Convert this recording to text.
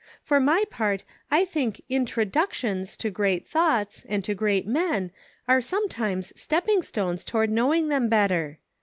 '' For my part I think introductions to great thoughts, and to great men, are sometimes step ping stones toward knowing them better.'